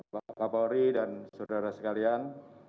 bapak pak polri dan saudara sekalian